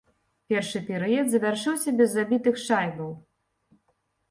Першы перыяд завяршыўся без забітых шайбаў.